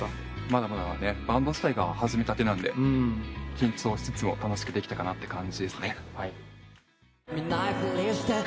まだまだバンド自体が始めたてなんで緊張しつつも楽しくできたかなって感じです。